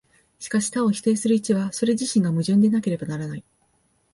しかし多を否定する一は、それ自身が矛盾でなければならない。